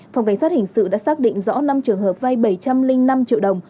phòng cảnh sát hình sự đã xác định rõ năm trường hợp vay bảy trăm linh năm triệu đồng